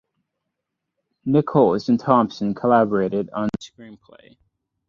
Nichols and Thompson collaborated on the screenplay.